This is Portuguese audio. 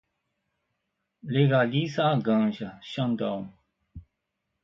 Legaliza a ganja, Xandão